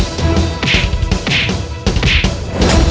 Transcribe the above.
aduh kayak gitu